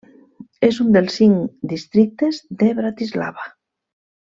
És un dels cinc districtes de Bratislava.